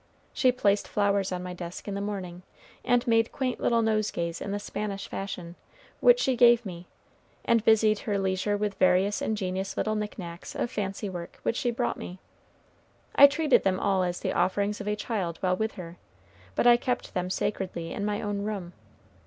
She placed flowers on my desk in the morning, and made quaint little nosegays in the Spanish fashion, which she gave me, and busied her leisure with various ingenious little knick knacks of fancy work, which she brought me. I treated them all as the offerings of a child while with her, but I kept them sacredly in my own room.